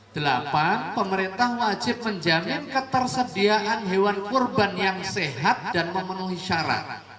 delapan pemerintah wajib menjamin ketersediaan hewan kurban yang sehat dan memenuhi syarat